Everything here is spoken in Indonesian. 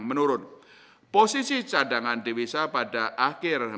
menduduk dengan asing rendah berkada disituck